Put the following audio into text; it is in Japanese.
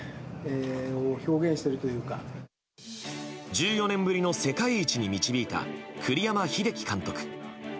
１４年ぶりの世界一に導いた栗山英樹監督。